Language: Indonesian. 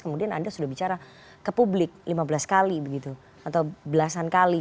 kemudian anda sudah bicara ke publik lima belas kali begitu atau belasan kali